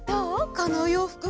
このおようふく。